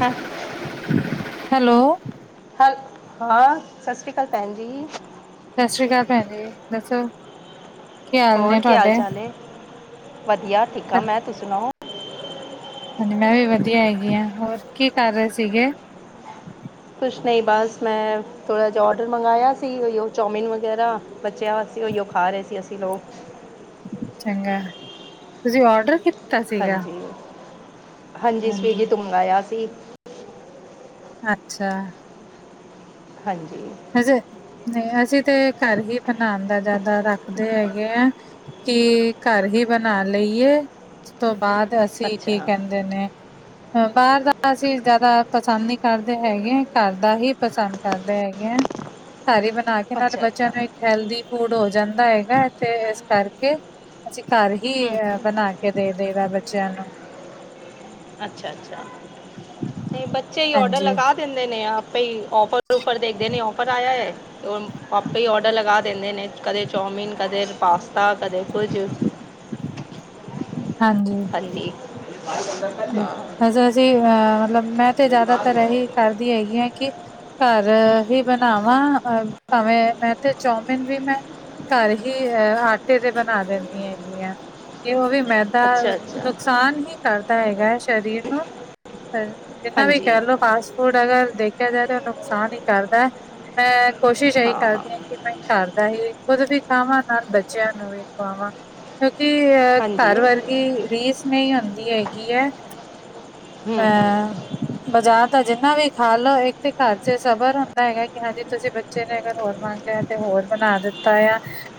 ਹਂ। Hello, hello ਹਾਂ ਸਤਿ ਸ੍ਰੀ ਅਕਾਲ ਭੈਣ ਜੀ। ਸਤਿ ਸ੍ਰੀ ਅਕਾਲ ਭੈਣ ਜੀ ਦੱਸੋ ਕੀ ਹਾਲ ਹੋਰ ਨੇ ਕੀ ਹਾਲ ਤੁਹਾਡੇ। ਚਾਲ ਹੈ ਵਧੀਆ ਠੀਕ ਆ ਮੈਂ ਤੁਸੀਂ ਸੁਣਾਓ? ਹਾਂਜੀ ਮੈਂ ਵੀ ਵਧੀਆ ਹੈਗੀ ਹਾਂ ਹੋਰ ਕੀ ਕਰ ਰਹੇ ਸੀਗੇ? ਕੁਛ ਨਹੀਂ ਬਸ ਮੈਂ ਥੋੜਾ ਜਿਹਾ ਔਡਰ ਮੰਗਾਇਆ ਸੀ ਉਹੀਓ ਚੌਮਿਨ ਵਗੈਰਾ ਬੱਚਿਆਂ ਵਾਸਤੇ ਉਹੀਓ ਖਾ ਰਹੇ ਸੀ ਅਸੀਂ ਲੋਕ। ਚੰਗਾ ਤੁਸੀਂ ਔਡਰ ਕੀਤਾ ਸੀਗਾ? ਹਾਂਜੀ ਹਾਂਜੀ ਸਵੀਗੀ ਤੋਂ ਮੰਗਵਾਇਆ ਸੀ। ਅੱਛਾ। ਹਾਂਜੀ। ਹਜੇ ਨਹੀਂ ਹਜੇ ਤੇ ਘਰ ਹੀ ਬਣਾਉਣ ਦਾ ਜ਼ਿਆਦਾ ਰੱਖਦੇ ਹੈਗੇ ਆ ਕਿ ਘਰ ਹੀ ਬਣਾ ਲਈਏ ਉਸ ਤੋਂ ਬਾਅਦ ਅਸੀਂ ਕੀ ਅੱਛਾ ਕਹਿੰਦੇ ਨੇ ਬਾਹਰ ਦਾ ਅਸੀਂ ਜ਼ਿਆਦਾ ਪਸੰਦ ਨਹੀਂ ਕਰਦੇ ਹੈਗੇ ਘਰ ਦਾ ਹੀ ਪਸੰਦ ਕਰਦੇ ਹੈਗੇ। ਘਰ ਹੀ ਬਣਾ ਕੇ ਨਾਲੇ ਅੱਛਾ ਬੱਚਿਆਂ ਅੱਛਾ ਨੂੰ ਇੱਕ ਹੈਲਦੀ ਫੂਡ ਹੋ ਜਾਂਦਾ ਹੈਗਾ ਤੇ ਇਸ ਕਰਕੇ ਅਸੀਂ ਘਰ ਹੀ ਹੂੰ ਅ ਬਣਾ ਗ ਕੇ ਦੇ ਦੇਗਾ ਬੱਚਿਆਂ ਨੂੰ ਅੱਛਾ ਅੱਛਾ ਨਹੀਂ ਬੱਚੇ ਹੀ ਔਡਰ ਹਾਂਜੀ ਲਗਾ ਦਿੰਦੇ ਨੇ ਆਪੇ ਈ ਔਫਰ ਉਫਰ ਦੇੰਦੇ ਨੇ ਔਫਰ ਆਏਆ ਐ। ਆਪੇ ਈ ਔਡਰ ਲਗਾ ਦਿੰਦੇ ਨੇ ਕਦੇ ਚੌਮਿਨ ਕਦੇ ਪਾਸਤਾ ਕਦੇ ਕੁਝ ਹਾਂਜੀ ਹਾਂਜੀ। [unintelligible] ਅਸੀਂ ਅ ਮਤਲਬ ਮੈਂ ਤੇ ਜ਼ਾਦਾਤਰ ਐਹੀ ਕਰਦੀ ਹੈਗੀ ਆਂ ਕਿ ਘਰ ਹੀ ਬਣਾਵਾਂ ਅ, ਭਾਵੇਂ ਮੈਂ ਤੇ ਚੌਮਿਨ ਵੀ ਮੈਂ ਘਰ ਹੀ ਅਹ ਆਟੇ ਦੇ ਬਣਾ ਦਿੰਦੀ। ਹੈਗੀ ਆ ਤੇ ਉਹ ਵੀ। ਮੈਦਾ ਅੱਛਾ ਅੱਛਾ ਨੁਕਸਾਨ ਹੀ ਕਰਦਾ। ਹੈਗਾ ਹੈ ਸਰੀਰ ਨੂੰ ਜਿੰਨਾ ਵੀ ਹਾਂਜੀ ਕਹਿ ਲਓ। ਫਾਸਟ ਫੂਡ ਅਗਰ ਦੇਖਿਆ ਜਾਏ ਤਾਂ ਉਹ ਨੁਕਸਾਨ ਹੀ ਕਰਦਾ। ਮੈਂ ਕੋਸ਼ਿਸ਼ ਇਹੀ ਕਰਦੀ ਹਾਂ। ਕਿ ਮੈਂ ਘਰ ਦਾ ਹੀ ਖੁਦ ਵੀ ਖਾਵਾਂ ਨਾਲ ਬੱਚਿਆਂ ਨੂੰ ਵੀ ਖਾਵਾਂ। ਕਿਉਂਕਿ। ਅਹ ਹਾਂਜੀ ਘਰ ਉਹ ਵਰਗੀ ਰੀਸ ਨਹੀਂ ਹੁੰਦੀ ਹੈਗੀ ਹੈ। ਹੂੰ [inaudible] ਹੂੰ ਬਾਜ਼ਾਰ ਤਾਂ ਜਿੰਨਾ ਵੀ ਖਾ ਲੋੋ ਇੱਕ ਤੇ ਘਰ ਚ ਸਬਰ ਹੁੰਦਾ ਹੈਗਾ। ਕਿ ਹਾਂਜੀ ਤੁਸੀਂ ਬੱਚੇ ਨੇ ਅਗਰ ਹੋਰ ਮੰਗ ਲਿਆ ਤੇ ਹੋਰ ਬਣਾ ਦਿੱਤਾ ਆ।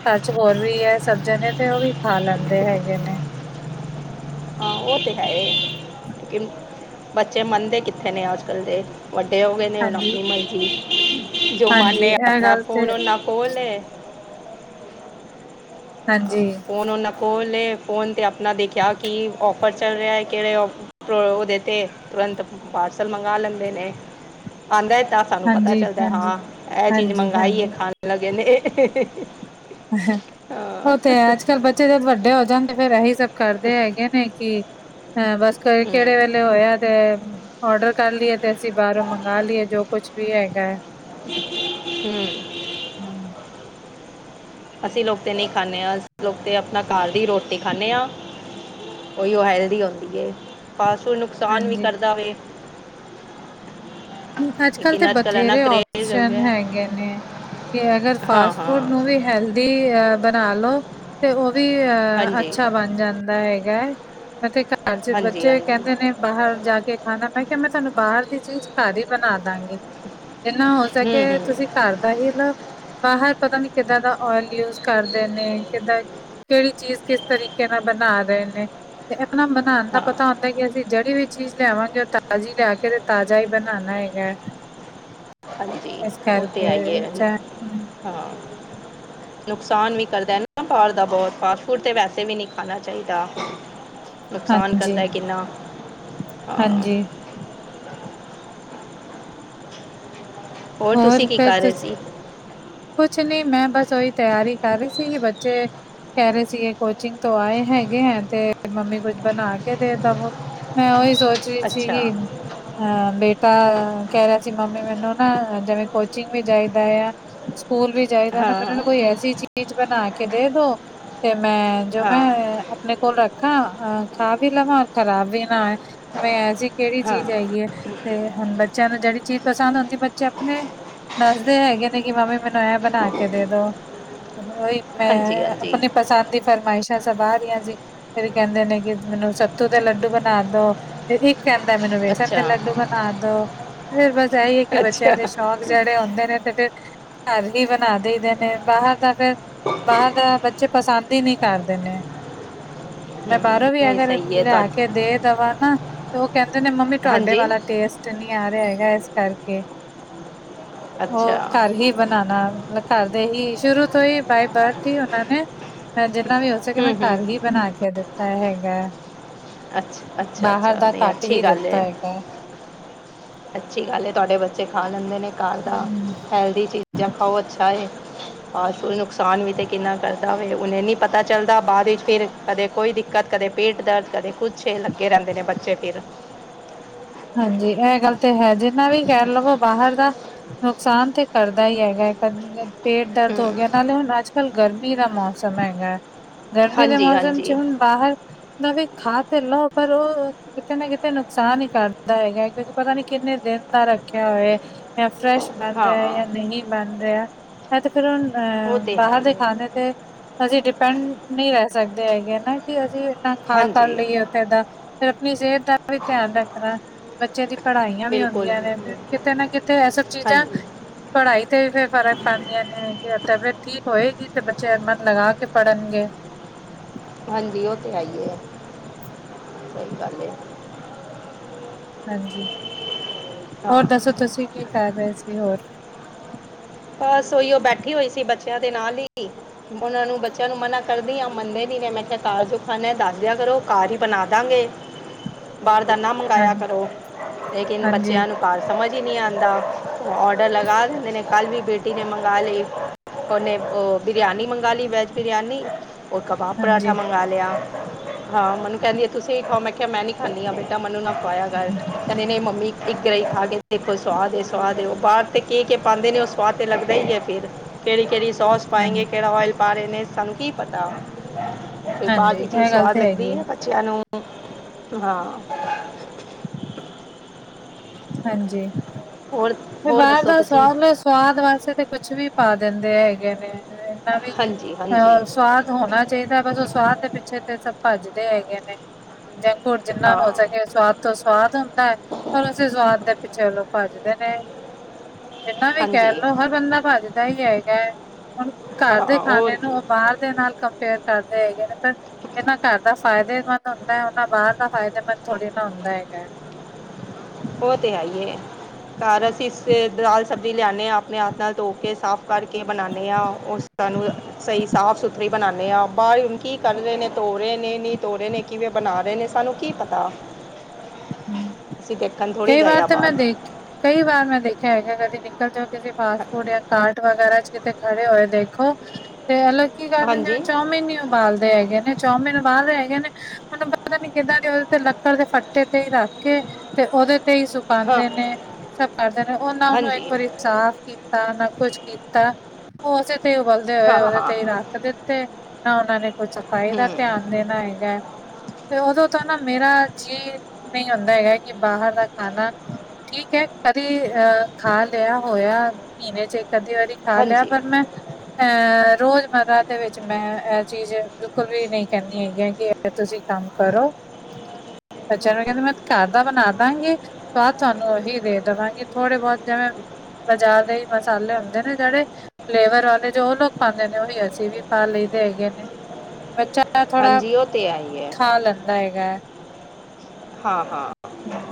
ਘਰ ਚ ਹੋਰ ਵੀ ਹੈ ਸਬ ਜਨੇ ਤੇ ਉਹ ਵੀ ਖਾ ਲੈਂਦੇ ਹੈਗੇ ਨੇ। ਹਾਂ ਉਹ ਤੇ ਹੈ ਬੱਚੇ ਮੰਨਦੇ ਕਿੱਥੇ ਨੇ ਅੱਜ - ਕੱਲ ਦੇ ਵੱਡੇ ਹੋ ਗਏ ਨੇ। ਹੁਣ ਹਾਂਜੀ ਆਪਣੀ ਮਰਜ਼ੀ ਜੋ ਹਾਂਜੀ ਮੰਨੇ ਇਹ ਆਪ ਗੱਲ ਫੋਨ ਤੇ ਓਨਾਂ ਕੋ ਲੈ ਹਾਂ, ਹਾਂਜੀ। ਫੋਨ ਉਹਨਾਂ ਕੋਲ ਹੇ ਫੋਨ ਤੇ ਆਪਣਾ ਦੇਖਿਆ। ਕਿ ਔਫਰ ਚੱਲ ਰਿਹਾ ਹੈ ਕਿਹੜੇ। ਉਹਦੇ ਤੇ ਤੁਰੰਤ ਪਾਰਸਲ ਮੰਗਵਾ ਲੈਂਦੇ ਨੇ। ਆਉਂਦਾ। ਤਾਂ ਸਾਨੂੰ ਪਤਾ ਹਾਂਜੀ ਚੱਲਦਾ ਹਾਂਜੀ ਹਾਂ ਇਹ ਚੀਜ਼ ਮੰਗਾਈ ਹੈ ਹਾਂਜੀ-ਹਾਂਜੀ। ਖਾਣ ਲਗੇ ਨੇ। ਹਾਂ ਉਹ ਤੇ ਅੱਜ - ਕੱਲ੍ਹ ਬੱਚੇ ਜਦ ਵੱਡੇ ਹੋ ਜਾਣ ਤੇ ਫੇਰ ਇਹੀ ਸਬ ਕਰਦੇ ਹੈਗੇ। ਨੇ ਕਿ ਅ ਬਸ ਕਿਹੜੇ ਵੇਲੇ ਹੋਇਆ ਤੇ ਔਡਰ ਕਰ ਲਏ ਤੇ। ਅਸੀਂ ਬਾਹਰੋਂ ਮੰਗਵਾ ਲਈਏ ਜੋ ਕੁਛ ਵੀ ਹੈਗਾ ਹੈ। ਹੂੰ। ਹਮ। ਅਸੀਂ ਲੋਕ ਤਾਂ ਨਹੀਂ ਖਾਂਦੇ ਹਾਂ। ਅਸੀਂ ਲੋਕ ਤਾਂ ਆਪਣਾ ਘਰ ਦੀ ਰੋਟੀ ਖਾਂਦੇ ਹਾਂ। ਉਹੀ ਉਹ ਹੈਲਦੀ ਹਉਦੀ ਹੇ ਫਾਸਟ ਫੂਡ ਨੁਕਸਾਨ ਵੀ ਹਾਂਜੀ, ਕਰਦਾ ਵੇ। ਅੱਜ ਕੱਲ੍ਹ ਤਾਂ ਲੇਕਿਨ ਇੰਨਾ ਬਥੇਰੇ ਕਰੇਜ਼ ਹੋ ਓਪਸ਼ਨ ਗਿਆ ਹੈਗੇ ਨੇ। ਕਿ ਅਗਰ ਫਾਸਟ ਹਾਂ-ਹਾਂ ਫੂਡ ਨੂੰ ਵੀ ਹੈਲਦੀ ਅਹ ਬਣਾ ਲੋ ਤੇ। ਉਹ ਵੀ ਅਹ ਹਾਂਜੀ ਅੱਛਾ ਬਣ ਜਾਂਦਾ ਹੈਗਾ ਹੈ। ਮੈਂ ਘਰ ਚ ਹਾਂਜੀ ਬੱਚੇ ਹਾਂਜੀ ਕਹਿੰਦੇ ਨੇ ਬਾਹਰ ਜਾ ਕੇ ਖਾਣਾ। ਮੈਂ ਕਿਹਾ ਮੈਂ ਤੁਹਾਨੂੰ ਬਾਹਰ ਦੀ ਚੀਜ਼। ਘਰ ਹੀ ਬਣਾ ਦਾਗੇ ਜਿੰਨਾ ਹੋ ਸਕੇ। ਹੂੰ-ਹੂੰ ਤੁਸੀਂ ਘਰ ਦਾ ਹੀ ਲੋ ਬਾਹਰ ਪਤਾ ਨੀ। ਕਿੱਦਾਂ ਦਾ ਓਇਲ ਯੂਜ ਕਰਦੇ ਨੇ ਕਿੱਦਾਂ ਕਿਹੜੀ ਚੀਜ਼ ਕਿਸ ਤਰੀਕੇ ਨਾਲ ਬਣਾ ਰਹੇ ਨੇ ਤੇ। ਆਪਣਾ ਬਣਾਉਣ ਦਾ ਹਾਂ ਪਤਾ ਹੈ। ਕੇ ਕਿ ਅਸੀਂ ਜਿਹੜੀ ਵੀ ਚੀਜ਼ ਲਿਆਵਾਂਗੇ। ਉਹ ਤਾਜ਼ੀ ਲਿਆ ਕੇ ਤੇ ਤਾਜ਼ਾ ਹੀ ਬਣਾਉਣਾ ਹੈਗਾ ਹੈ। ਹਾਂਜੀ। ਇਸ ਉਹ ਤੇ ਕਰਕੇ ਹੈ ਹੀ ਹੈ ਚ। ਹਾਂ। ਨੁਕਸਾਨ ਵੀ ਕਰਦਾ ਦਾ ਬਹੁਤ ਫਾਸਟ ਫੂਡ ਤੇ ਵੈਸੇ ਵੀ ਨ ਖਾਣਾ ਚਾਹੀਦਾ। ਨੁਕਸਾਨ ਹਾਂਜੀ ਕਰਦਾ ਕਿੰਨਾ ਹਾਂ। ਹਾਂਜੀ ਹੋਰ ਤੁਸੀਂ ਕੀ ਫੇਰ ਕਰ ਤੁੰ। ਰਹੇ ਸੀ ਕੁਛ ਨੀ। ਮੈਂ ਬਸ ਓਹੀ ਤਿਆਰੀ ਕਰ ਰਹੀ ਸੀਗੀ ਬੱਚੇ। ਕਹਿ ਰਹੇ ਸੀ। ਇਹ ਕੋਚਿੰਗ ਤੋਂ ਆਏ ਹੈਗੇ ਹੈ ਤੇ ਮੰਮੀ ਕੁੱਝ ਬਣਾ ਕੇ ਦੇ ਦਵੋ। ਮੈਂ ਉਹੀ ਸੋਚ ਰਹੀ ਅੱਛਾ ਸੀਗੀ। ਅਹ ਬੇਟਾ ਕਹਿ ਰਿਹਾ ਸੀ ਮੰਮੀ ਮੈਨੂੰ ਨਾ ਜਿਵੇਂ ਕੋਚਿੰਗ ਵੀ ਚਾਹੀਦਾ ਆ ਸਕੂਲ ਵੀ ਚਾਹੀਦਾ ਨਾ। ਹਾਂ ਫੇਰ ਇੰਨਾ ਨੂੰ ਕੋਈ ਐਸੀ ਚੀ ਚੀਜ਼ ਬਣਾ ਕੇ ਦੇ - ਦੋ ਤੇ ਮੈਂ ਜੋ ਮੈਂ ਹਾਂ ਆਪਣੇ ਕੋਲ ਰੱਖਾ ਅ ਖਾ ਵੀ ਲਵਾਂ। ਔਰ ਖਰਾਬ ਵੀ ਨਾ। ਵੇਂ ਐਸੀ ਕਿਹੜੀ ਹਾਂ ਚੀਜ਼ ਹੈਗੀ ਏ। ਤੇ ਹੁਣ ਬੱਚਿਆਂ ਨੂੰ ਜਿਹੜੀ ਚੀਜ਼ ਪਸੰਦ ਹੁੰਦੀ। ਆਪਣੇ ਦੱਸਦੇ ਹੈਗੇ ਨੇ ਕਿ ਮਮੀ ਮੈਨੂੰ ਇਹ ਬਣਾ ਕੇ ਦੇ ਦੋ ਉਹੀ। ਹਾਂਜੀ ਮੈਂ ਹਾਂਜੀ ਆਪਣੀ ਪਸੰਦ ਦੀ। ਫਰਮਾਇਸ਼ਾਂ ਸਭ ਅਰਹੀਆਂ ਜੀ। ਫੇਰ ਕਹਿੰਦੇ ਨੇ ਕਿ ਮੈਨੂੰ ਸੱਤੂ ਦੇ ਲੱਡੂ ਬਣਾ ਦੋ। ਇੱਕ ਕਹਦਾ ਮੈਨੂੰ ਬੇਸਣ ਤੇ ਅੱਛਾ ਲੱਡੂ ਬਣਾ ਦੋ। ਫੇਰ ਬਸ ਇਹੀ ਹੈ ਕਿ ਬੱਚਿਆਂ ਅੱਛਾ ਦੇ ਸ਼ੌਕ ਜਿਹੜੇ ਆਉਂਦੇ ਨੇ ਤੇ। ਫੇਰ ਘਰ ਹੀ ਬਣਾ ਦੇਦੇ ਨੇ ਬਾਹਰ ਤਾਂ। ਫਿਰ ਬਾਹਰ ਦਾ ਬੱਚੇ ਪਸੰਦ ਹੀ ਨਹੀ ਕਰਦੇ ਨੇ ਮੈਂ ਹੂੰ ਬਾਹਰੋਂ ਵੀ ਨਹੀਂ ਅਗਰ ਸਹੀ ਹੈ ਤੁਹਾ ਲਿਆ ਕੇ ਦੇ ਦਵਾਂ ਨਾ ਉਹ ਕਹਿੰਦੇ ਨੇ ਮੰਮੀ ਤੁਹਾਡੇ ਹਾਂਜੀ ਵਾਲਾ ਟੇਸਟ ਨਹੀ ਆ ਰਿਹਾ ਹੈਗਾ ਇਸ ਕਰਕੇ ਅੱਛਾ ਉਹ ਘਰ ਹੀ ਬਣਾਉਣਾ ਮਤਲ ਘਰ ਦੇ ਹੀ ਸ਼ੁਰੂ ਤੋਂ ਹੀ ਬਾਏ ਬਰਥ ਹੀ ਉਹਨਾਂ ਨੇ ਮੈ ਜਿੰਨਾ ਵੀ ਹੋ ਸਕੇ ਮੈਂ ਹੂੰ ਹੂੰ ਘਰ ਹੀ ਬਣਾ ਕੇ ਦਿੱਤਾ ਹੈਗਾ ਅੱਛਾ ਅੱਛਾ ਬਾਹਰ ਅੱਛਾ ਦਾ ਨਹੀਂ ਘੱਟ ਅੱਛੀ ਹੀ ਗੱਲ ਹੈ ਦਿੱਤਾ ਹੈਗਾ। ਅੱਛੀ ਗੱਲ ਹੈ ਤੁਹਾਡੇ ਬੱਚੇ ਖਾ ਲੈਂਦੇ ਨੇ ਘਰ ਦਾ ਹੈਲਦੀ ਚੀਜ਼ ਆ ਖਾਓ ਅੱਛਾ ਹੈ। ਆ ਨੁਕਸਾਨ ਵੀ ਤੇ ਕਿੰਨਾ ਕਰਦਾ ਵੇਖ, ਹੁਣੇ ਨੀ ਪਤਾ ਚੱਲਦਾ ਬਾਅਦ ਵਿੱਚ ਫਿਰ ਕਦੇ ਕੋਈ ਕ ਕਦੇ ਪੇਟ ਦਰਦ, ਕਦੇ ਕੁੱਛ ਏ ਲੱਗੇ ਰਹਿੰਦੇ ਨੇ ਬੱਚੇ ਫਿਰ। ਹਾਂਜੀ ਇਹ ਗੱਲ ਤੇ ਹੈ ਜਿੰਨਾ ਵੀ ਕਹਿ ਲਵੋ ਬਾਹਰ ਦਾ ਨੁਕਸਾਨ ਤੇ ਕਰਦਾ ਹੀ ਹੈਗਾ, ਕਦੇ ਪੇਟ ਦਰਦ ਹੂੰ ਹੋ ਗਿਆ, ਨਾਲੇ ਹੁਣ ਅੱਜ ਅੱਜ ਕਲ ਗਰਮੀ ਦਾ ਮੌਸਮ ਹੈਗਾ ਐ, ਗਰਮੀ ਦੇ ਹਾਂਜੀ ਮੌਸਮ ਚ ਹਾਂਜੀ ਹੁਣ ਬਾਹਰ ਜਿੰਨਾ ਵੀ ਖਾ ਤੇ ਲਓ। ਪਰ ਉਹ ਕਿਤੇ ਨਾ ਕਿਤੇ ਨੁਕਸਾਨ ਹੀ ਕਰ। ਹੁੰਦਾ ਹੈਗਾ ਐ। ਕਿਉਂਕਿ ਪਤਾ ਨੀ ਕਿੰਨੇ ਦਿਨ ਦਾ ਰੱਖਿਆ ਹੋਇਆ ਏ। ਜਾਂ ਫਰੈਸ਼ ਬਣ ਹਾਂ ਰਿਹਾ ਜਾਂ ਨਹੀਂ ਬਣ ਰਿਹਾ ਐ ਤੇ ਫਿਰ ਉਹ ਉਹ ਅਹ ਤਾਂ ਹੈ ਬਾਹਰ ਦੇ ਹੀ ਹੈ ਖਾਣੇ ਤੇ ਹਜੇ ਡਿਪੈਂਡ ਨਹੀਂ ਰਹਿ ਸਕਦੇ ਹੈਗੇ ਨਾ ਕਿ ਅਸੀਂ ਆਪ ਖਾ ਕਰ ਹਾਂਜੀ ਲਈਏ ਉੱਥੇ ਦਾ ਫਿਰ ਆਪਣੀ ਸਿਹਤ ਦਾ ਵੀ ਧਿਆਨ ਰੱਖਣਾ ਬੱਚੇ ਦੀ ਪੜ੍ਹਾਈਆਂ ਵੀ ਬਿਲਕੁਲ ਹੁੰਦੀਆਂ ਨੇ ਕਿਤੇ ਨਾ ਕਿਤੇ ਇਹ ਸਭ ਚੀਜ਼ਾਂ ਹਾਂਜੀ ਪੜ੍ਹਾਈ ਤੇ ਵੀ ਫੇਰ ਫਰਕ ਪੈਂਦਾ ਤਬੀਅਤ ਠੀਕ ਹੋਏਗੀ ਤੇ ਬੱਚੇ ਮਨ ਲਗਾ ਕੇ ਪੜ੍ਹਨਗੇ। ਹਾਂਜੀ ਉਹ ਤੇ ਹੈਈਏ ਆ ਸਹੀ ਗੱਲ ਏ। ਹਾਂਜੀ ਹੋਰ ਹਾਂ ਦੱਸੋ ਤੁਸੀਂ ਕੀ ਕਰ ਰਹੇ ਸੀ ਹੋਰ ਬਸ ਉਹੀ ਉਹ ਬੈਠੀ ਹੋਈ ਸੀ ਬੱਚਿਆਂ ਦੇ ਨਾਲ ਹੀ ਉਹਨਾਂ ਨੂੰ ਬੱਚਿਆਂ ਨੂੰ ਮਨਾ ਕਰਦੀ ਆ ਮੰਨਦੇ ਨੀ ਨੇ ਮੈਂ ਕਿਹਾ ਘਰ ਜੋ ਖਾਨਾ ਦੱਸਦਿਆਂ ਕਰੋ ਘਰ ਹੀ ਬਣਾ ਦਾਂਗੇ ਬਾਹਰ ਦਾ ਨਾ ਹਾਂ ਮੰਗਾਇਆ ਕਰੋ ਲੇਕਿਨ ਹਾਂਜੀ ਬੱਚਿਆਂ ਨੂੰ ਘਰ ਸਮਝ ਹੀ ਨਹੀ ਆਉਂਦਾ ਔਡਰ ਲਗਾ ਦਿੰਦੇ ਨੇ ਕੱਲ ਵੀ ਬੇਟੀ ਨੇ ਮੰਗਾ ਲਈ ਓਨੇ ਉਹ ਬਰਿਆਨੀ ਮੰਗਵਾ ਲਈ ਵੈਜ ਬਰਿਆਨੀ ਉਹ ਕਬਾਬ ਹਾਂਜੀ ਪਰਾਂਠਾ ਮੰਗਵਾ ਲਿਆ ਹਾਂ ਮੈਨੂੰ ਕਹਿੰਦੀ ਹੈ ਤੁਸੀ ਵੀ ਖਾਓ ਮੇ ਕਹਿ ਮੈਨੀ ਕਹਿ ਨੀ ਆ ਬੇਟਾ ਮੈਨੂੰ ਨਾ ਖਇਆ ਕਰ ਕਹਿੰਦੇ ਨੇ ਮੰਮੀ ਏਕ ਗ੍ਰਹਿ ਖਾ ਕੇ ਦੇਖੋ ਸੁਆਦ ਹ ਸੁਆਦ ਹ ਉਹ ਬਾਹਰ ਤੇ ਕੀ-ਕੀ ਪਾਉਂਦੇ ਨੇ ਸਆਦ ਲਗਦਾ ਹੀ ਹੈ ਫਿਰ ਕਿੜੀ ਕਿਹੜੀ ਸੌਸ ਹਾਂ ਪਾਂਗੇ ਕਿਹੜਾ ਔਇਲ ਪਾ ਰੇ ਨੇ ਸਾਨੂੰ ਕੀ ਪਤਾ ਤੇ ਹਾਂਜੀ ਬਾਦ ਚ ਚੀਜ਼ ਇਹ ਗੱਲ ਸਵਾਦ ਤਾਂ ਲੱਗਦੀ ਹੈਗੀ ਹੈ ਪਤਾ ਬੱਚਿਆਂ ਨੂੰ, ਹਾਂ। ਹਾਂਜੀ, ਹੋਰ ਤੇ ਹੋਰ ਬਾਹਰ ਦੱਸੋ ਦਾ ਤੁਸੀਂ ਸਵਾਦ ਸਵਾਦ ਵਾਸਤੇ ਤਾਂ ਕੁਛ ਵੀ ਪਾ ਦਿੰਦੇ ਹੈਗੇ ਨੇ, ਏਨਾ ਵੀ ਹਾਂਜੀ ਹਾਂਜੀ ਅਹ ਸਵਾਦ ਹੋਣਾ ਚਾਹੀਦਾ ਏ, ਬਸ ਉਹ ਸਵਾਦ ਦੇ ਪਿੱਛੇ ਤੇ ਸਭ ਭੱਜਦੇ ਹੈਗੇ ਨੇ। ਜੰਕ ਫੂਡ ਜਿੰਨਾ ਹਾਂ ਹੋ ਸਕੇ ਸਵਾਦ ਤੋਂ ਸਵਾਦ ਹੁੰਦਾ ਆ। ਇਸੇ ਸਵਾਦ ਦੇ ਪਿੱਛੇ ਲੋਕ ਭੱਜਦੇ ਨੇ। ਜਿੰਨਾ ਵੀ ਕਹਿ ਹਾਂਜੀ ਲਓ ਹਰ ਬੰਦਾ ਭੱਜਦਾ ਹੀ ਹੈਗਾ। ਹੁਣ ਹਾਂ ਘਰ ਦੇ ਹੋਰ ਖਾਣੇ ਨੂੰ ਕੀ ਉਹ ਬਾਹਰ ਦੇ ਨਾਲ ਕੰਪੇਅਰ ਕਰਦੇ ਹੈਗੇ ਨੇ ਫੇਰ ਜਿੰਨਾ ਘਰ ਦਾ ਫਾਇਦੇਮੰਦ ਹੁੰਦਾ ਏ, ਉਨ੍ਹਾਂ ਬਾਹਰ ਦਾ ਫਾਇਦੇਮੰਦ ਥੋੜ੍ਹੀ ਨਾ ਹੁੰਦਾ ਹੈਗਾ। ਉਹ ਤੇ ਹੈ ਹੀ ਐ। ਘਰ ਅਸੀਂ ਦਾਲ ਸਬਜ਼ੀ ਲਿਆਣੇ ਆ, ਆਪਣੇ ਹੱਥ ਨਾਲ ਧੋ ਕੇ, ਸਾਫ਼ ਕਰਕੇ ਬਣਾਣੇ ਆ ਉਸ ਸਾਨੂੰ ਸਹੀ ਸਾਫ਼ ਸੁਥਰੀ ਬਣਾਣੇ ਆ, ਬਾਹਰ ਕੀ ਕਰ ਰਹੇ ਨੇ ਧੋ ਰਹੇ ਨੇ ਨੀ ਧੋ ਰਹੇ ਨੇ। ਕਿਵੇਂ ਬਣਾ ਰਹੇ ਨੇ ਸਾਨੂੰ ਕੀ ਪਤਾ। ਅਸੀਂ ਦੇਖਣ ਥੋੜ੍ਹੀ ਕਈ ਗਏ ਵਾਰ ਆ ਤਾਂ ਮੈਂ ਬਾਹਰ ਦੇਖੀ ਕਈ ਵਾਰ ਮੈਂ ਦੇਖਿਆ ਹੈਗਾ ਕਦੀ ਨਿਕਲ ਜਾਓ ਕਿਸੇ ਫਾਸਟ ਹ- ਫੂਡ ਜਾਂ ਚਾਟ ਵਗੈਰਾ ਚ ਕਿਤੇ ਖੜੇ ਹੋਏ ਦੇਖੋ ਤੇ ਲੋਕੀ ਕੀ ਕਰਦੇ ਹਾਂਜੀ ਜਿਵੇਂ ਚੌਮਮੀਨ ਬਾਲਦੇ ਹੈਗੇ ਨੇ ਚੌਮਿਨ ਬਾਲ ਰਹੇ ਹੈਗੇ ਨੇ ਮੈਨੂੰ ਪਤਾ ਨੀ ਕਿੱਦਾਂ ਦੇ ਉਹਦੇ ਤੇ ਲੱਕੜ ਦੇ ਫੱਟੇ ਤੇ ਈ ਰੱਖ ਕੇ ਤੇ ਔਦੇ ਤੇ ਹੀ ਹਾਂ ਸੁਕਾੰਦੇ ਨੇ ਸਭ ਕਰਦੇ ਨੇ ਓਹਨਾ ਨੂੰ ਇੱਕ ਹਾਂਜੀ ਵਾਰੀ ਸਾਫ਼ ਕੀਤਾ ਨਾ ਕੁੱਛ ਕੀਤਾ ਓਹ ਉਸੇ ਤੇ ਉਬਾਲ ਦੇ ਹੋਏ ਹਾਂ ਉਹਦੇ ਹਾਂ ਤੇ ਹੀ ਰੱਖ ਦਿੱਤੇ ਨਾ ਉਹਨਾਂ ਨੇ ਕੋਈ ਸਫ਼ਾਈ ਹੂੰ ਦਾ ਧਿਆਨ ਦੇਣਾ ਹੈਗੈ, ਤੇ ਓਦੋਂ ਤਾਂ ਨਾ ਮੇਰਾ ਜੀਅ ਇਦਾਂ ਈ ਹੁੰਦਾ ਆ ਕਿ ਬਾਹਰ ਦਾ ਖਾਣਾ ਠੀਕ ਹੈ ਕਦੇ ਅਹ ਖਾ ਲਿਆ ਹੋਇਆ, ਮਹੀਨੇ ਚ ਇਕ ਅੱਧੀ ਵਾਰੀ ਖਾ ਲਿਆ ਫੇਰ ਮੈਂ। ਹ ਅਹ ਰੋਜ਼ਮਰਰਾ ਦੇ ਵਿੱਚ ਮੈਂ ਇਹ ਚੀਜ਼ ਬਿਲਕੁਲ ਵੀ ਨਹੀਂ ਕਹਿੰਦੀ ਹੈਗੀ ਆਂ, ਕਿ ਇਹ ਤੁਸੀਂ ਕੰਮ ਕਰੋ ਅੱਛਾ ਮੈਂ ਕਹਿੰਦੀ ਮੈਂ ਘਰ ਦਾ ਬਣਾ ਦਾਂਗੀ, ਸਵਾਦ ਤੁਹਾਨੂੰ ਉਹੀ ਦੇ ਦੇਵਾਂਗੀ ਥੋੜੇ ਬਹੁਤ ਜਿਵੇਂ ਬਾਜ਼ਾਰ ਦੇ ਹੀ ਮਸਾਲੇ ਹੁੰਦੇ ਨੇ ਜਿਹੜੇ- ਫਲੇਵਰ ਵਾਲੇ ਜੋ ਔ ਲੋਕ ਪਾਂਦੇ ਨੇ, ਓਹੀ ਅਸੀਂ ਵੀ ਪਾ ਲਈਦੇ ਹੈਗੇ ਨੇ। ਬੱਚਾ ਐ ਥੋੜਾ, ਹਾਂਜੀ ਉਹ ਤੇ ਹੈ ਹੀ ਹੈ ਖਾ ਲੈਂਦਾ ਹੈਗੈ। ਹਾਂ ਹਾਂ। ਹਮ,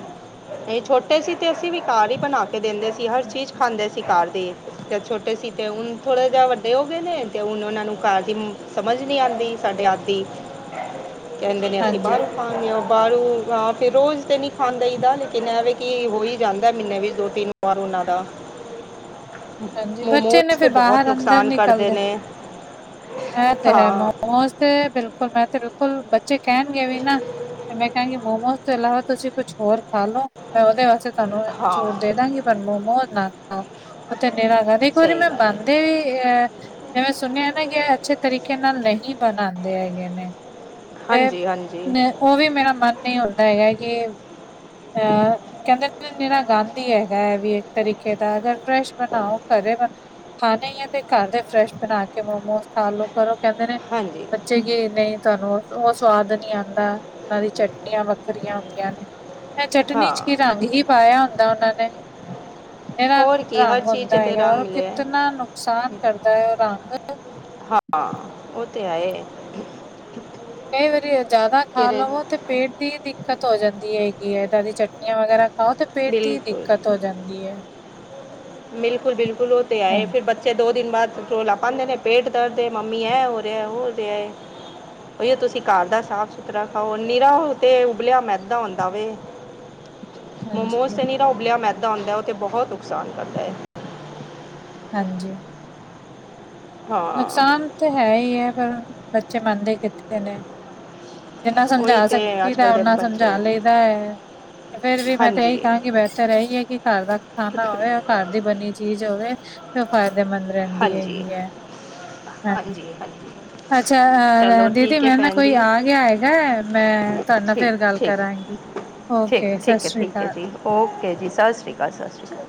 ਏਹ ਛੋਟੇ ਸੀ ਤੇ ਅਸੀਂ ਵੀਕਾਰ ਹੀ ਬਣਾ ਕੇ ਦਿੰਦੇ ਸੀ, ਹਰ ਚੀਜ਼ ਖਾਂਦੇ ਸੀ ਘਰ ਦੇ-' ਤੇ ਛੋਟੇ ਸੀ ਤੇ ਹੁਣ ਥੋੜੇ ਜਹੇ ਵੱਡੇ ਹੋ ਗਏ ਨੇ, ਤੇ ਹੁਣ ਉਹਨਾ ਨੂੰ ਘਰ ਦੀ ਸਮਝ ਨਹੀਂ ਆਉਂਦੀ, ਸਾਡੇ ਆਪ ਦੀ ਕਹਿੰਦੇ ਨੇ ਅਸੀਂ ਹਾਂਜੀ ਬਾਹਰੋਂ ਖਾਂ ਆਦੇ ਹਾਂ, ਬਾਹਰੋਂ ਹਾਂ ਫਿਰ ਰੋਜ਼ ਤੇ ਨਹੀਂ ਖਾਨ ਦਈ ਦਾ, ਲੇਕਿਨ ਐ ਵੇ ਕੀ ਹੋ ਹੀ ਜਾਂਦਾ ਮਹੀਨੇ ਵਿੱਚ ਦੋ ਤਿੰਨ ਵਾਰ ਉਹਨਾਂ ਦਾ। ਹਾਂਜੀ ਬੱਚੇ ਨੇ ਮੋਮੋਸ ਤੇ ਫਿਰ ਬਹੁਤ ਬਾਹਰ ਨੁਕਸਾਨ ਕਰਦੇ ਨੇ। ਹੈਂ ਤੇ ਹੈ, ਹਾਂ ਮੋਮੋਸ ਤੇ ਬਿਲਕੁਲ ਮੈਂ ਤੇ ਬਿਲਕੁਲ, ਬੱਚੇ ਕਹਿਣਗੇ ਵੀ ਨਾ ਤੇ ਮੈਂ ਕਹਿਣਗੀ ਮੋਮੋਸ ਚਲੋ, ਤੁਸੀਂ ਕੁਛ ਹੋਰ ਖਾਲੋ ਮੈਂ ਓਹਦੇ ਵਾਸਤੇ ਤੁਆਨੂੰ ਅ ਚੋਲ ਹਾਂ ਦੇਦਾਂਗੀ ਪਰ ਮੋਮੋ ਨਾ ਖਾਓ। ਨੂੰ ਦੇਣਾ ਹੈਗਾ, ਇੱਕ ਵਾਰੀ ਸਹੀ ਮੈਂ ਗੱਲ ਹੈ ਬਨਦੇ ਵੀ ਐਹ ਜਿਵੇਂ ਸੁਣਿਆ ਨਾ ਕਿ ਇਹ ਅੱਛੇ ਤਰੀਕੇ ਨਾਲ ਨਹੀਂ ਬਣਾਉਂਦੇ ਹੈਗੇ ਨੇ ਤੇ, ਹਾਂਜੀ ਹਾਂਜੀ ਮੈਂ ਉਹ ਵੀ ਮੇਰਾ ਮਨ ਨਹੀਂ ਹੁੰਦਾ ਕਿ, ਅ ਕਹਿੰਦੇ ਨਿਰਾ ਗੰਦ ਈ ਹੈਗਾ ਆ ਵੀ ਇੱਕ ਤਰੀਕੇ ਦਾ ਨਾਲ ਫਰੈਸ਼ ਬਣਾਓ, ਘਰੇ ਖਾਣੇ ਹੀ ਆ ਤੇ ਘਰ ਦੇ ਫਰੈਸ਼ ਬਣਾ ਕੇ ਮੋਮੋਸ ਖਾਲੋ, ਪਰ ਉਹ ਕਹਿੰਦੇ ਨੇ ਹਾਂਜੀ। ਬੱਚੇ ਕੀ, ਨਹੀਂ ਤੁਹਾਨੂੰ ਉਹ ਸਵਾਦ ਨੀ ਆਉਂਦਾ। ਔਨਾਂ ਦੀ ਚਟਨੀਆਂ ਵੱਖਰੀਆਂ ਹੁੰਦੀਆਂ ਨੇ। ਐ ਚਟਨੀ ਹਾਂ 'ਚ ਕੀ ਰੰਗ ਹੀ ਪਾਇਆ ਹੁੰਦਾ ਉਹਨਾਂ ਨੇ, ਇਹਨਾ ਹੋਰ ਨੇ ਕੀ ਹਰ ਰੰਗ ਚੀਜ਼ ਹੁੰਦਾ 'ਚ ਤੇ ਹੈਗਾ, ਰੰਗ ਔਰ ਮਿਲੇ ਕਿਤਨਾ ਨੁਕਸਾਨ ਕਰਦਾ ਹੈ ਉਹ ਰੰਗ ਹਾਂ ਉਹ ਤੇ ਹੈ। ਕਈ ਵਾਰੀ ਜ਼ਿਆਦਾ ਖਾ ਲਵੋ ਤੇ ਪੇਟ ਦੀ ਦਿੱਕਤ ਹੋ ਜਾਂਦੀ ਹੈਗੀ ਹੈ ਇੱਦਾਂ ਦੀ ਚਟਨੀਆਂ ਵਗੈਰਾ ਖਾੳ ਤੇ ਪੇਟ ਦੀ ਦਿੱਕਤ ਹੋ ਜਾਂਦੀ ਹੈ ਬਿਲਕੁ ਬਿਲਕਲ ੳ ਤਾਂ ਆਏ ਫਿਰ ਬੱਚੇ ਦੋ ਦਿਨ ਬਾਦ ਰੋਲਾ ਪਾੰਦੇ ਨੇ, ਪੇਟ ਦਰਦ ਏ ਮੰਮੀ ਐਂ ਹੋ ਰਿਐ ਔ ਹੋ ਰਿਆ ਏ। ਉਹੀਓ ਤੁਸੀਂ ਘਰ ਦਾ ਸਾਫ਼ ਸੁਥਰਾ ਖਾਓ ਨਿਰਾ, ਓਹ ਤੇ ਉਬਲਿਆ ਮੈਦਾ ਹੁੰਦਾ ਵੇ। ਮੋਮੋਸ ਹਾਂਜੀ ਤੇ ਨੀਰਾਹ ਉਬਲਿਆ ਮੈਦਾ ਹੁੰਦਾ, ਉਹ ਤੇ ਬਹੁਤ ਨੁਕਸਾਨ ਕਰਦਾ ਹੈ। ਹਾਂਜੀ। ਹਾਂ ਨੁਕਸਾਨ ਤੇ ਹੈ ਈ ਐ ਪਰ ਬੱਚੇ ਮੰਨਦੇ ਕਿੱਥੇ ਨੇ। ਜਿੰਨਾ ਉਹੀ ਸਮਝਾ ਤੇ ਸਕੀ ਅੱਜ ਕੱਲ ਦਾ ਦੇ ਓਨਾ ਬੱਚੇ ਸਮਝਾ ਲਈਦਾ ਐ। ਫੇਰ ਵੀ ਮੈਂ ਤੇ ਹਾਂਜੀ ਐਈ ਕਹਾਂਗੀ ਬੈਤਰ ਏਹੀ ਹੈ ਕਿ ਘਰ ਦਾ ਖਾਣਾ ਹੋਵੇ ਘਰ ਦੀ ਬਣੀ ਚੀਜ਼ ਹੋਵੇ, ਤੇ ਉਹ ਫਾਇਦੇਮੰਦ ਰਹਿੰਦੀ ਹੈਗੀ ਹੈ। ਹਾਂਜੀ-ਹਾਂਜੀ ਅੱਛਾ ਅਹ ਦੀਦੀ, ਮੈਂ ਨਾ ਕੋਈ ਜੀ ਆ ਗਿਆ ਹੈਗਾ ਮੈਂ ਤੁਹਾਡੇ ਨਾਲ ਠੀਕ ਫੇਰ ਗੱਲ ਠੀਕ ਕਰਾਂਗੀ। ਠੀਕ ਓਕੇ, ਸਤਿ ਠੀਕ ਹੈ ਸ੍ਰੀ ਠੀਕ ਹੈ ਆਕਾਲ। ਜੀ ਓਕੇ ਜੀ, ਸਤਿ ਸ਼੍ਰੀ ਅਕਾਲ ਸਤਿ ਸ਼੍ਰੀ ਅਕਾਲ।